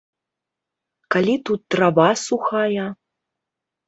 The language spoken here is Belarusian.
Калі тут трава сухая?